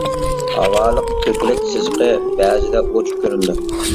ھاۋالىق كۆكرەك سىزىقى بەزىدە ئوچۇق كۆرۈنىدۇ.